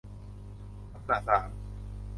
ลักษณะสาม